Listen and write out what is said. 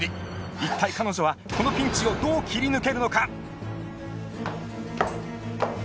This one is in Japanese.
一体彼女はこのピンチをどう切り抜けるのか！